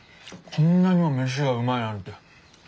こんなにも飯がうまいなんて！